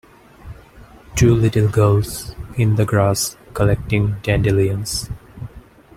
Two little girls, in the grass, collecting dandelions.